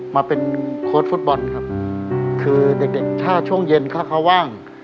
มาเป็นโค้ชฟุตบอลครับคือเด็กเด็กถ้าช่วงเย็นถ้าเขาว่าง